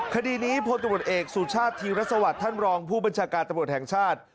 คดีนี้พลตรวจเอกสุชาติธีรสวัสดิ์ท่านรองผู้บัญชาการตำรวจแห่งชาติ